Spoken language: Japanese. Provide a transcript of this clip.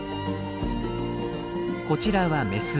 こちらはメス。